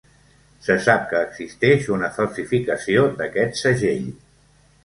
Se sap que existeix una falsificació d'aquest segell.